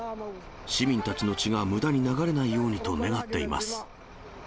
市民たちの血がむだに流れないようにと願っています。